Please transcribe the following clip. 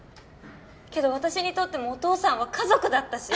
けど私にとってもお父さんは家族だったし。